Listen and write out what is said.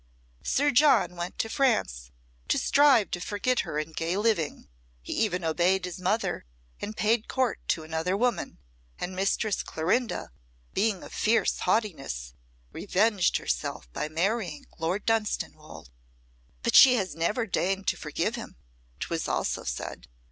Sir John went to France to strive to forget her in gay living; he even obeyed his mother and paid court to another woman, and Mistress Clorinda, being of fierce haughtiness, revenged herself by marrying Lord Dunstanwolde." "But she has never deigned to forgive him," 'twas also said.